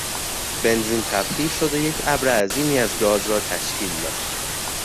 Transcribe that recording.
بنزین تبخیر شد و یک ابر عظیمی از گاز را تشکیل داد.